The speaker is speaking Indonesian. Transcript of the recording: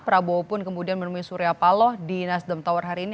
prabowo pun kemudian menemui surya paloh di nasdem tower hari ini